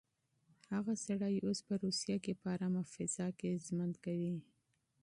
هغه سړی اوس په روسيه کې په ارامه فضا کې ژوند کوي.